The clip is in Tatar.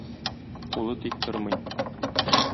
Кулы тик тормый.